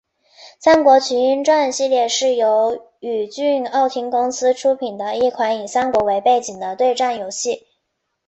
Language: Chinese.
三国群英传系列是由宇峻奥汀公司出品的一款以三国为背景的对战游戏。